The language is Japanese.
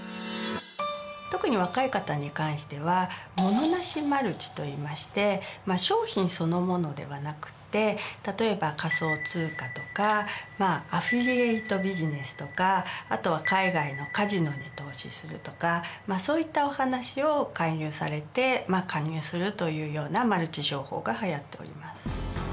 特に若い方に関してはモノなしマルチといいまして商品そのものではなくて例えば仮想通貨とかアフィリエイトビジネスとかあとは海外のカジノに投資するとかそういったお話を勧誘されて加入するというようなマルチ商法がはやっております。